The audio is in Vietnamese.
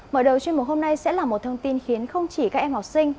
mở đầu chuyên mục hôm nay sẽ là một thông tin khiến không chỉ các em học sinh